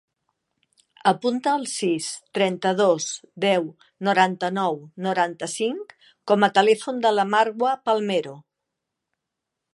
Apunta el sis, trenta-dos, deu, noranta-nou, noranta-cinc com a telèfon de la Marwa Palmero.